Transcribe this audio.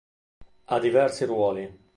Ha diversi ruoli.